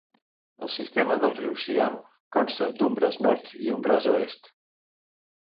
El "sistema del riu Siam" consta d'un braç nord i un braç oest.